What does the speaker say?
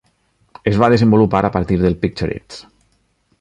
Es va desenvolupar a partir del Picture It!